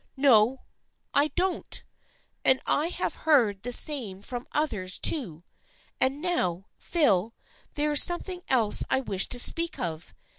" No, I don't. And I have heard the same from others, too. And now, Phil, there is something else I wish to speak of.